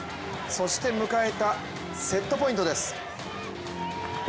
そして迎えたセットポイントです。